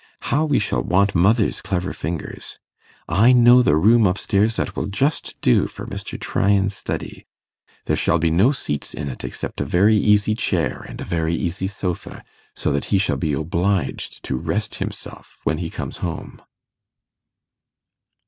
How we shall want mother's clever fingers! I know the room up stairs that will just do for Mr. Tryan's study. There shall be no seats in it except a very easy chair and a very easy sofa, so that he shall be obliged to rest himself when he comes home.